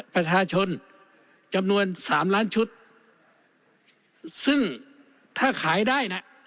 ประชาชนจำนวนสามล้านชุดซึ่งถ้าขายได้น่ะ